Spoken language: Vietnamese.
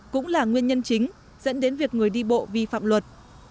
cũng là nguyên nhân chính dẫn đến việc người đi bộ vi phạm luật